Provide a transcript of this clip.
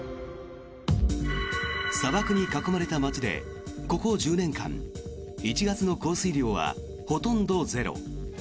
砂漠に囲まれた街でここ１０年間１月の降水量はほとんどゼロ。